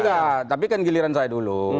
enggak tapi kan giliran saya dulu